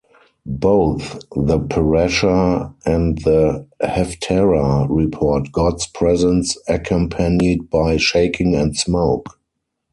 Both the parashah and the haftarah report God's presence accompanied by shaking and smoke.